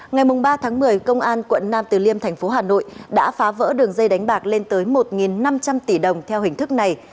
ngày ba tháng một mươi công an quận nam từ liêm thành phố hà nội đã phá vỡ đường dây đánh bạc lên tới một năm trăm linh tỷ đồng theo hình thức này